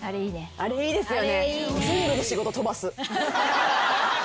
あれいいですよね。